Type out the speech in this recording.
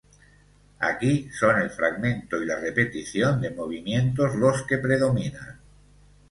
Aquí, son el fragmento y la repetición de movimientos los que predominan.